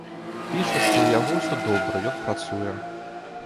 Піша, што ў яго ўсё добра, ён працуе.